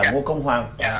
ngô công hoàng